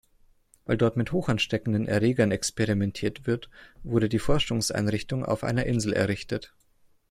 Weil dort mit hochansteckenden Erregern experimentiert wird, wurde die Forschungseinrichtung auf einer Insel errichtet.